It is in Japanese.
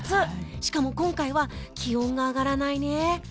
しかも今回は気温が上がらないね。